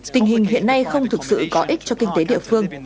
tình hình hiện nay không thực sự có ích cho kinh tế địa phương